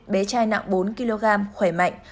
bé trai nặng bốn kg khỏe mạnh